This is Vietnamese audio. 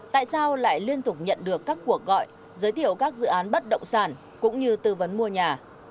tại sao lại liên tục nhận được các cuộc gọi giới thiệu các dự án bất động sản cũng như tư vấn mua nhà